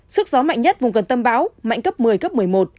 sức gió mạnh nhất vùng gần tâm bão mạnh cấp một mươi cấp một mươi một